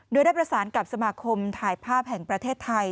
โดยได้ประสานกับสมาคมถ่ายภาพแห่งประเทศไทย